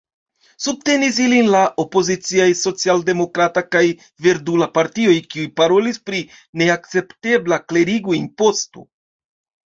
Subtenis ilin la opoziciaj Socialdemokrata kaj Verdula Partioj, kiuj parolis pri neakceptebla klerigo-imposto.